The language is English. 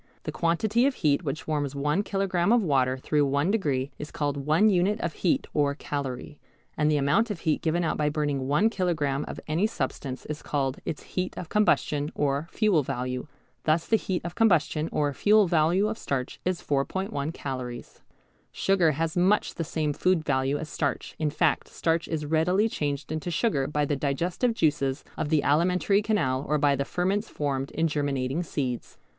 The quantity of heat which warms one kilogram of water through one degree is called one unit of heat or calorie, and the amount of heat given out by burning one kilogram of any substance is called its heat of combustion or fuel value. Thus the heat of combustion or fuel value of starch is 4·1 calories. Sugar has much the same food value as starch, in fact starch is readily changed into sugar by the digestive juices of the alimentary canal or by the ferments formed in germinating seeds.